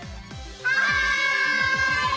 はい！